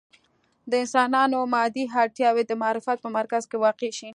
د انسانانو مادي اړتیاوې د معرفت په مرکز کې واقع شي.